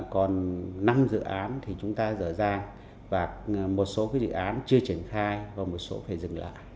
còn năm dự án thì chúng ta dở dàng và một số dự án chưa triển khai và một số phải dừng lại